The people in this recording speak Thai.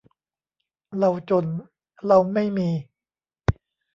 เลาจน เลาไม่มี